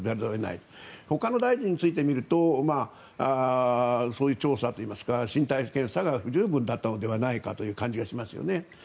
ほかの大臣について見るとそういう調査といいますか身体検査が不十分だったのではないかという感じがしますね。